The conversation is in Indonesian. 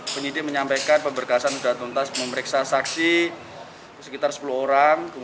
penyidik menyampaikan pemberkasan sudah tuntas memeriksa saksi sekitar sepuluh orang